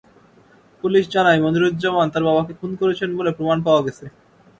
Police জানায়, মনিরুজ্জামান তাঁর বাবাকে খুন করেছেন বলে প্রমাণ পাওয়া গেছে।